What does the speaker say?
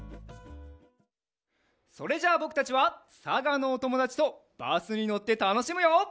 それじゃあぼくたちはさがのおともだちとバスにのってたのしむよ！